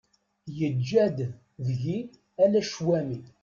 Yeǧǧa-d deg-i ala ccwami.